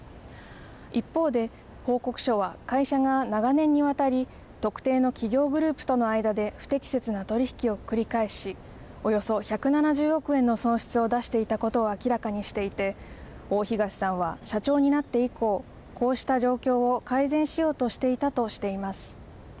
一方で、報告書は会社が長年にわたり、特定の企業グループとの間で不適切な取り引きを繰り返し、およそ１７０億円の損失を出していたことを明らかにしていて、大東さんは社長になって以降、こうした状況を改善しようとしていたとしています。